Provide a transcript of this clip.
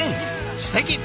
すてき！